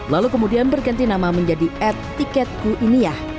lalu kemudian berganti nama menjadi at tiketku ini ya